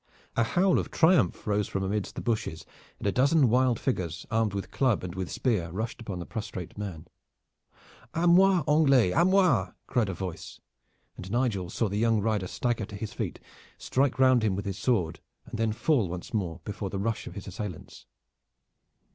A howl of triumph rose from amidst the bushes, and a dozen wild figures armed with club and with spear, rushed upon the prostrate man. "A moi, Anglais, a moi!" cried a voice, and Nigel saw the young rider stagger to his feet, strike round him with his sword, and then fall once more before the rush of his assailants.